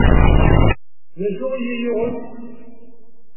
D acu ay iyi-yuɣen?